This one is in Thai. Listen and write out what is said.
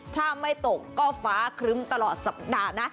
ถ้าไม่ตกก็ฟ้าครึ้มตลอดสัปดาห์นะ